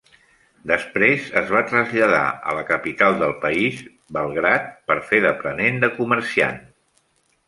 Després es va traslladar a la capital de país, Belgrad, per fer d'aprenent de comerciant.